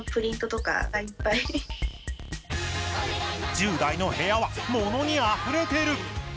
１０代の部屋はモノにあふれてる！